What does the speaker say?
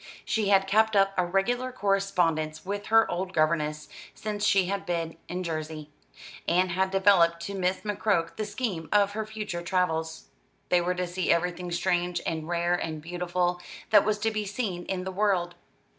She had kept up a regular correspondence with her old governess, since she had been in Jersey, and had developed to Miss McCroke the scheme of her future travels. They were to see everything strange and rare and beautiful, that was to be seen in the world.